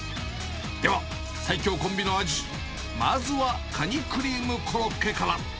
では最強コンビの味、まずはカニクリームコロッケから。